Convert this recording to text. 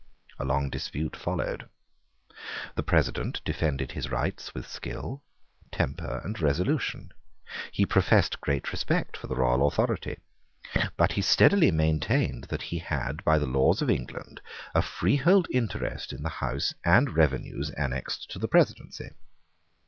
A long dispute followed. The President defended his rights with skill, temper, and resolution. He professed great respect for the royal authority. But he steadily maintained that he had by the laws of England a freehold interest in the house and revenues annexed to the presidency.